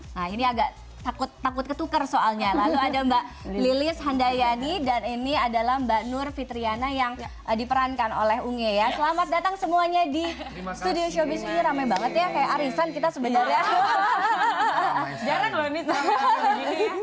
nah ini agak takut takut ketukar soalnya lalu ada mbak lilis handayani dan ini adalah mbak nur fitriana yang diperankan oleh unge ya selamat datang semuanya di studio showbiz ini rame banget ya kayak arisan kita sebenarnya